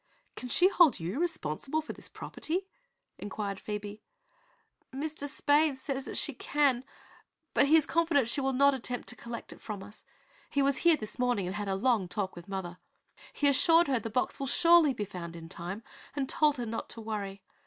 "Can she hold you responsible for this property?" inquired Phoebe. "Mr. Spaythe says that she can, but he is confident she will not attempt to collect it from us. He was here this morning and had a long talk with mother. He assured her the box will surely be found in time, and told her not to worry.